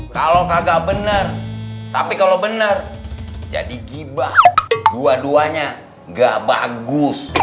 kalau kagak benar tapi kalau benar jadi gibah dua duanya gak bagus